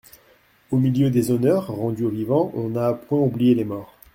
Au milieu des honneurs rendus aux vivants, on n'a point oublié les morts.